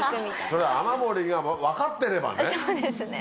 それ、雨漏りが分かってればそうですね。